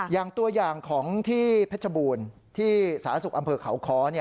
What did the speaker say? อย่างตัวอย่างของที่เพชรบูรณ์ที่สาธารณสุขอำเภอเขาค้อ